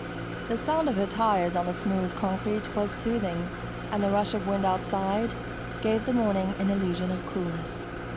The sound of her tires on the smooth concrete was soothing and the rush of wind outside gave the morning an illusion of coolness.